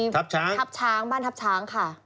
ทัพช้างบ้านทัพช้างค่ะ